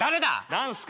何すか？